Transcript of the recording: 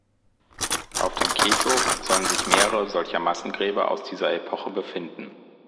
Auf dem Kirchhof sollen sich mehrere solcher Massengräber aus dieser Epoche befinden.